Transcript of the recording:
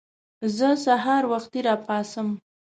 زه سهار وختي راپاڅم.